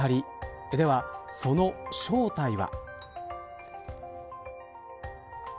では、その正体は。